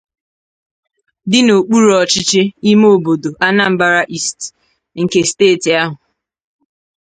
dị n'okpuru ọchịchị ime obodo 'Anambra East' nke steeti ahụ.